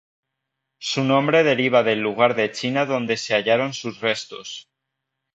Su nombre deriva del lugar de China donde se hallaron sus restos.